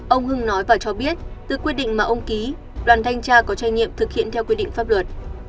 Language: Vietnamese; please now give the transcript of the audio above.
ông hưng nói và cho biết từ quyết định mà ông ký đoàn thanh tra có trách nhiệm thực hiện theo quy định pháp luật